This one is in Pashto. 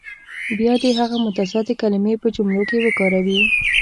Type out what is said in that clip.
بیا دې هغه متضادې کلمې په جملو کې وکاروي.